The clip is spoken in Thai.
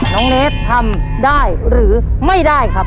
น้องเนสทำได้หรือไม่ได้ครับ